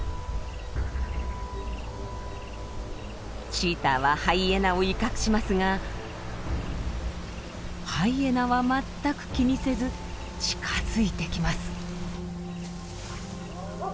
チーターはハイエナを威嚇しますがハイエナは全く気にせず近づいてきます。